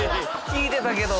聞いてたけど。